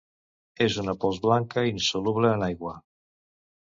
És una pols blanca insoluble en aigua.